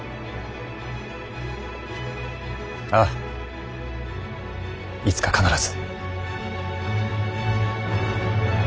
あぁいつか必ず。